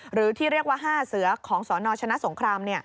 หรือที่เรียกว่า๕เสือของสนชนะสงคราม